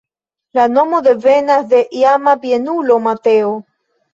La nomo devenas de iama bienulo Mateo.